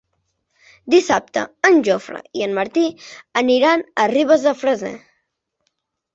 Dissabte en Jofre i en Martí aniran a Ribes de Freser.